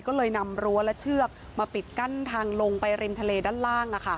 ก็เลยนำรั้วและเชือกมาปิดกั้นทางลงไปริมทะเลด้านล่าง